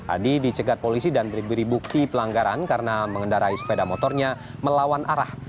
adi dicegat polisi dan diberi bukti pelanggaran karena mengendarai sepeda motornya melawan arah